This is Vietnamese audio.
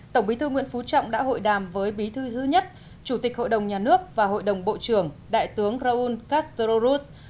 tổng bí thư nguyễn phú trọng đã hội đàm với bí thư thứ nhất chủ tịch hội đồng nhà nước và hội đồng bộ trưởng đại tướng raúl castro ruz